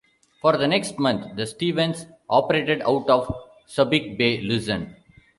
For the next month, the "Stevens" operated out of Subic Bay, Luzon.